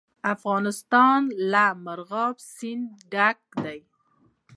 افغانستان له مورغاب سیند ډک دی.